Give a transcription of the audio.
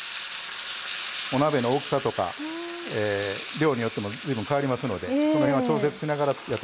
お鍋の大きさとか量によっても随分変わりますのでその辺は調節しながらやっていってください。